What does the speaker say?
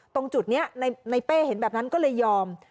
ตรงจุดนี้ในเป้เห็นแบบนั้นก็เลยยอม